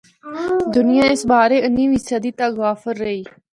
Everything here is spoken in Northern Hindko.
دُنیا اس بارے انیویں صدی تک غافل رہیی۔